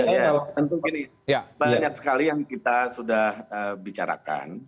banyak sekali yang kita sudah bicarakan